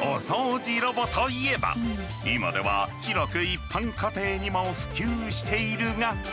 お掃除ロボといえば今では広く一般家庭にも普及しているが。